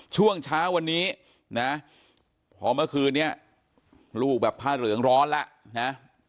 ช่วงเช้าวันนี้นะพอเมื่อคืนนี้ลูกแบบผ้าเหลืองร้อนแล้วนะ